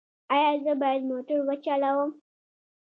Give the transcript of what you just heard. ایا زه باید موټر وچلوم؟